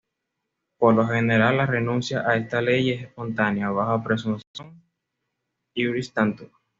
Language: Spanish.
Por lo general, la renuncia a esta ley es espontánea, bajo presunción "iuris tantum".